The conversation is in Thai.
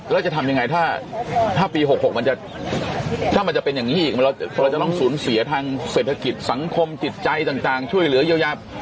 แล้วจะทำยังไงถ้าปี๖๖มันจะถ้ามันจะเป็นอย่างนี้อีกเราจะต้องสูญเสียทางเศรษฐกิจสังคมจิตใจต่างช่วยเหลือเยียวยา